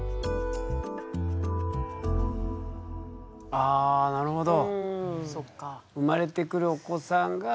ああなるほど。